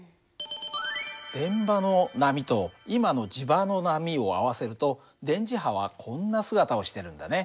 電場の波と今の磁場の波を合わせると電磁波はこんな姿をしてるんだね。